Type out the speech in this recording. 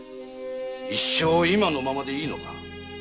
一生今のままでいいのか。